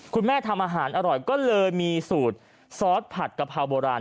คุณแม่ทำอาหารอร่อยก็เลยมีสูตรซอสผัดกะเพราโบราณ